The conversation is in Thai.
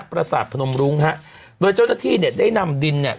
ประสาทพนมรุ้งฮะโดยเจ้าหน้าที่เนี่ยได้นำดินเนี่ย